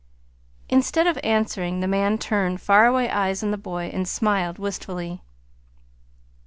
Instead of answering, the man turned faraway eyes on the boy and smiled wistfully.